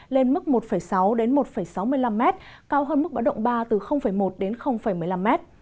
lên mức một sáu một sáu mươi năm m cao hơn mức bãi động ba từ một một mươi năm m